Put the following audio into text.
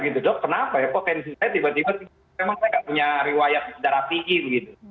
dok kenapa ya potensi saya tiba tiba memang saya nggak punya riwayat darapi gitu